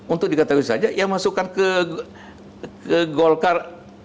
untuk diketahui saja ya masukkan ke golkar